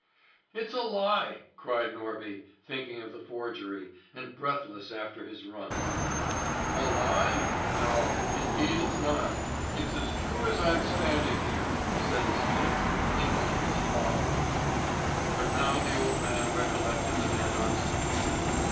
"It's a lie!" cried Norby, thinking of the forgery, and breathless after his run. "A lie? No, indeed it's not; it's as true as I'm standing here!" said the smith, thinking of his flour. But now the old man recollected the man on _ski.